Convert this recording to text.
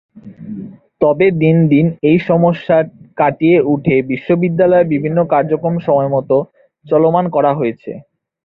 তবে দিন দিন এই সমস্যা কাটিয়ে উঠে বিশ্ববিদ্যালয়ের বিভিন্ন কার্যক্রম সময়মতো চলমান করা হচ্ছে।